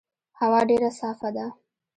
هوا ډېر صافه ده.